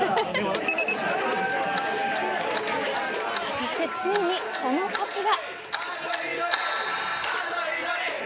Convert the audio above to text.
そして、ついに、そのときが。